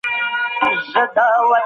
موږ تېره شپه ډېر کار وکړ.